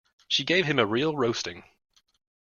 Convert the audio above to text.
She gave him a real roasting.